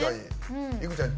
いくちゃん